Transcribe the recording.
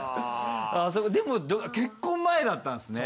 でも結婚前だったんですね。